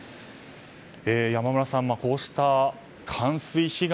山村さん、こうした冠水被害。